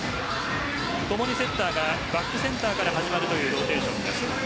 ともにセッターがバックセンターから始まるというローテーションです。